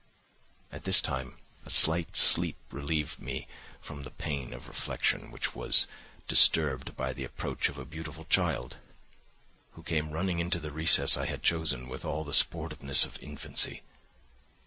"At this time a slight sleep relieved me from the pain of reflection, which was disturbed by the approach of a beautiful child, who came running into the recess I had chosen, with all the sportiveness of infancy.